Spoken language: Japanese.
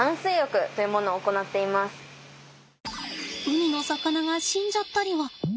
海の魚が死んじゃったりは。